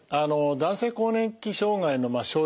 男性更年期障害の症状